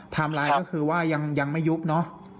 ไลน์ก็คือว่ายังไม่ยุบเนอะ